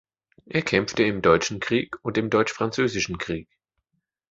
Er kämpfte im Deutschen Krieg und im Deutsch-Französischen Krieg.